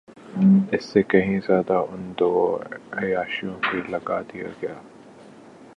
اس سے کہیں زیادہ ان دو عیاشیوں پہ لگا دیا گیا۔